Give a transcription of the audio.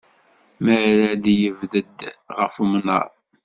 Mi ara d-yebded ɣef umnar.